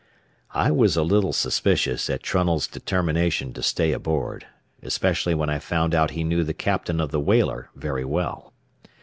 I was a little suspicious at Trunnell's determination to stay aboard, especially when I found out he knew the captain of the whaler very well.